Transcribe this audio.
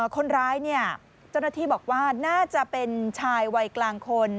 คนร้ายเนี่ยเจ้าหน้าที่บอกว่าน่าจะเป็นชายวัยกลางคน